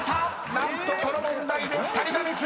［何とこの問題で２人がミス！］